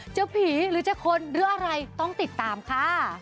จะผีหรือจะคนหรืออะไรต้องติดตามค่ะ